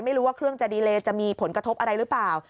ไม่รู้ว่าเครื่องจะดีเลจะมีผลกระทบอะไรหรือเปล่า